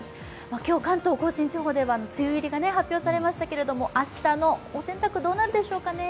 今日、関東甲信地方では梅雨入りが発表されましたけれども、明日のお洗濯どうなるんでしょうかね。